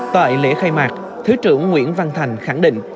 tại lễ khai mạc thứ trưởng nguyễn văn thành khẳng định